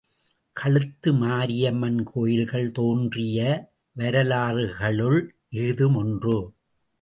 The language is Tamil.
கழுத்து மாரியம்மன் கோயில்கள் தோன்றிய வரலாறுகளுள் இஃதும் ஒன்று.